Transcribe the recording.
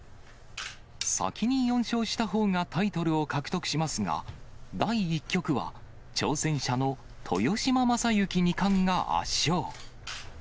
先に４勝したほうがタイトルを獲得しますが、第１局は挑戦者の豊島将之二冠が圧勝。